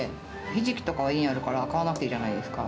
ひじきとかは家にあるから買わなくていいじゃないですか。